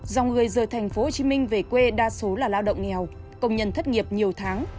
dòng người rời thành phố hồ chí minh về quê đa số là lao động nghèo công nhân thất nghiệp nhiều tháng